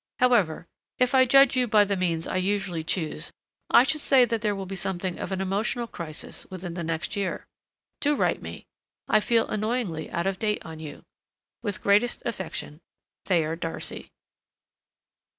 However, if I judge you by the means I usually choose, I should say that there will be something of an emotional crisis within the next year. Do write me. I feel annoyingly out of date on you. With greatest affection, THAYER DARCY.